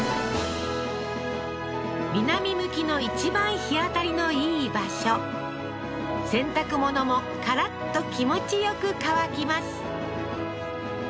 南向きの一番日当たりのいい場所洗濯物もカラッと気持ちよく乾きます